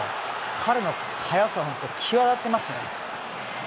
彼の速さ、本当際立ってますね。